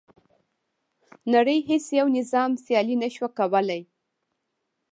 نړۍ هیڅ یو نظام سیالي نه شوه کولای.